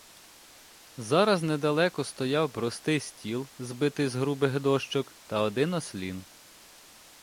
Зараз недалеко стояв простий стіл, збитий з грубих дощок, та один ослін.